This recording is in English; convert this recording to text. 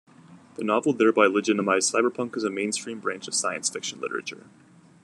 The novel thereby legitimized cyberpunk as a mainstream branch of science fiction literature.